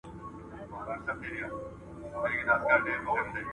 ميلمه پالنه د پښتنو پخوانی دود دی.